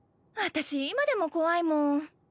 私今でも怖いもん。